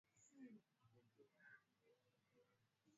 Harufu mbaya Kwa sababu ya majeraha mdomoni na kwenye kwato